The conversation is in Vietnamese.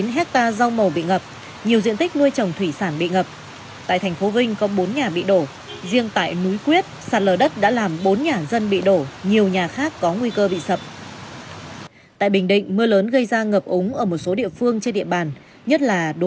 hãy đăng ký kênh để nhận thông tin nhất